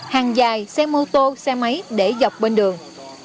hàng dài xe mô tô xe máy để dọc bên đường